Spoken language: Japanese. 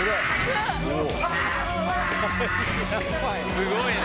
すごいね！